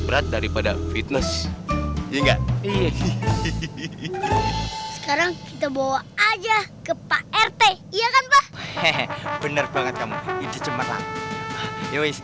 bilang siapa bapak kamu ya